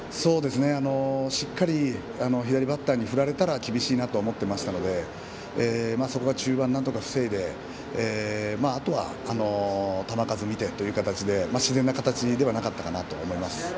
しっかり左バッターに振られたら厳しいなとは思っていましたのでそこが中盤までなんとか防いであとは球数見てという感じで自然な形ではなかったかなと思います。